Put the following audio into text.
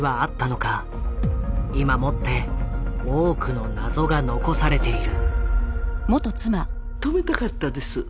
今もって多くの謎が残されている。